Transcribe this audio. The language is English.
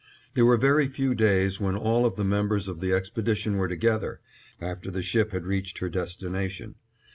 There were very few days when all of the members of the expedition were together, after the ship had reached her destination.